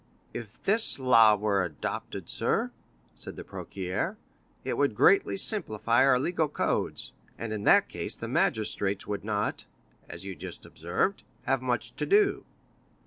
"If this law were adopted, sir," said the procureur, "it would greatly simplify our legal codes, and in that case the magistrates would not (as you just observed) have much to do."